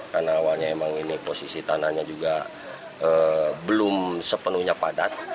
karena awalnya emang ini posisi tanahnya juga belum sepenuhnya padat